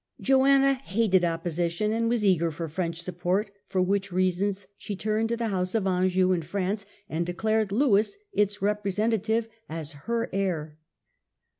Joanna hated opposition and was eager for French support, for which reasons she turned to the House of Anjou in France, and declared Louis, its representative, as her heir.